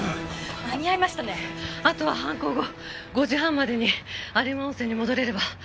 あとは犯行後５時半までに有馬温泉に戻れれば。